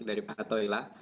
dari pak katoila